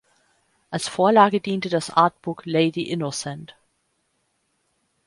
Als Vorlage diente das Artbook "Lady Innocent".